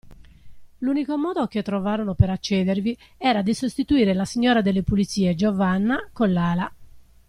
L'unico modo che trovarono per accedervi era di sostituire la signora delle pulizie, Giovanna, con Lala.